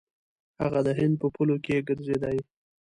هغه د هند په پولو کې ګرځېدی.